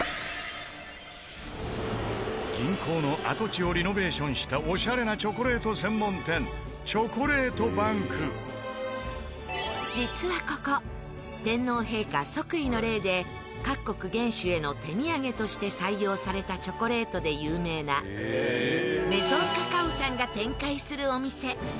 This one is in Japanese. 銀行の跡地をリノベーションしたオシャレなチョコレート専門店実はここ天皇陛下即位の礼で各国元首への手土産として採用されたチョコレートで有名なメゾンカカオさんが展開するお店。